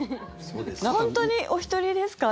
本当にお一人ですか？